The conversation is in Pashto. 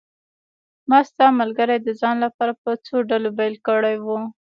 ما ستا ملګري د ځان لپاره په څو ډلو بېل کړي وو.